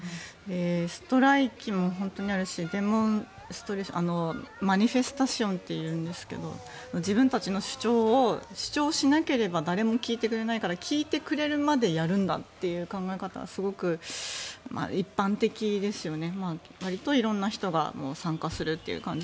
ストライキも本当にあるしデモンストレーションマニフェスタシオンというんですが自分たちの主張を主張しなければ誰も聞いてくれないから聞いてくれるまでやるんだという考え方がすごく一般的ですよね。